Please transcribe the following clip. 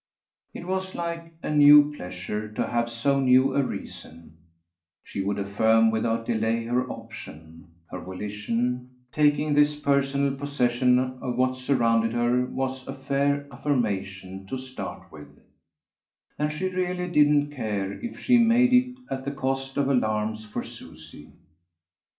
It was like a new pleasure to have so new a reason; she would affirm without delay her option, her volition; taking this personal possession of what surrounded her was a fair affirmation to start with; and she really didn't care if she made it at the cost of alarms for Susie.